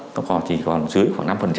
nó chỉ còn dưới khoảng năm thôi